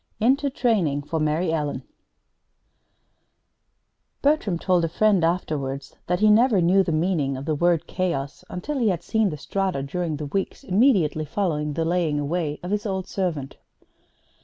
INTO TRAINING FOR MARY ELLEN Bertram told a friend afterwards that he never knew the meaning of the word "chaos" until he had seen the Strata during the weeks immediately following the laying away of his old servant.